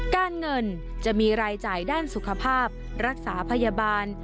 การเงินจะมีรายจ่ายด้านสุขภาพรักษาพยาบาล